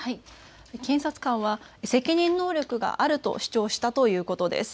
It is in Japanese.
検察官は責任能力があると主張したということです。